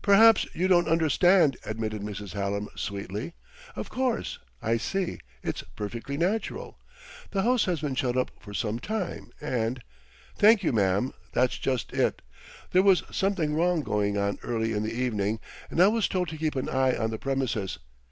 "Perhaps you don't understand," admitted Mrs. Hallam sweetly. "Of course I see it's perfectly natural. The house has been shut up for some time and " "Thank you, ma'am; that's just it. There was something wrong going on early in the evening, and I was told to keep an eye on the premises.